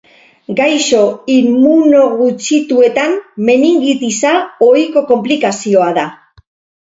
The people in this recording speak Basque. Gaixo immunogutxituetan meningitisa ohiko konplikazioa da.